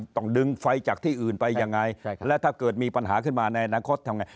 ต้องดึงไฟจากที่อื่นไปยังไงและถ้าเกิดมีปัญหาขึ้นมาในอนาคตทำไง